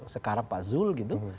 sekarang pak zul gitu